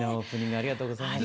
ありがとうございます。